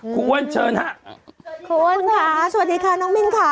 อ้วนเชิญค่ะคุณค่ะสวัสดีค่ะน้องมิ้นค่ะ